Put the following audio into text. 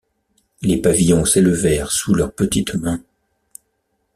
Les pavillons s’élevèrent sous leurs petites mains.